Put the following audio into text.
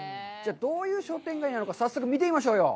どういう商店街なのか、早速、見てみましょうよ。